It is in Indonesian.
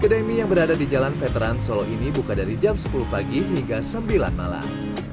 kedai mie yang berada di jalan veteran solo ini buka dari jam sepuluh pagi hingga sembilan malam